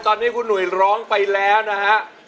ตอนนี้คุณหนุ่ยร้องไปแล้วนะฮะ